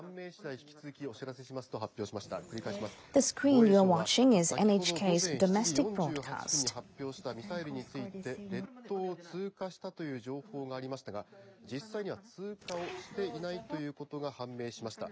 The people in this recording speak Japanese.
防衛省は先ほど午前７時４８分に発表したミサイルについて列島を通過したという情報がありましたが実際には通過をしていないということが判明しました。